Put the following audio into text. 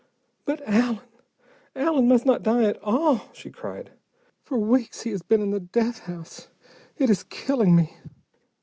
"But Allen Allen must not die at all!" she cried. "For weeks he has been in the death house: it is killing me.